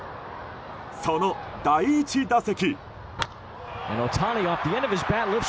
その第１打席。